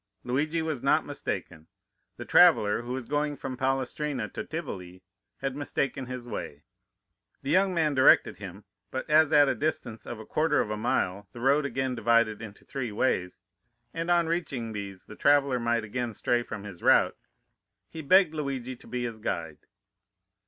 "Luigi was not mistaken. The traveller, who was going from Palestrina to Tivoli, had mistaken his way; the young man directed him; but as at a distance of a quarter of a mile the road again divided into three ways, and on reaching these the traveller might again stray from his route, he begged Luigi to be his guide.